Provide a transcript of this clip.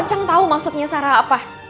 kencang tau maksudnya sarah apa